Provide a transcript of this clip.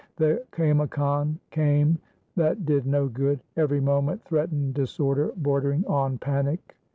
The kaimakan came; that did no good. Every moment threatened disorder, bordering on panic.